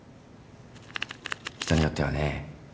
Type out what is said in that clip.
人によってはね